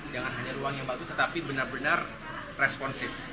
jangan hanya ruang yang bagus tetapi benar benar responsif